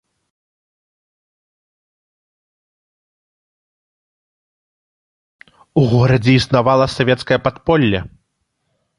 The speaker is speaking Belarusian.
У горадзе існавала савецкае падполле.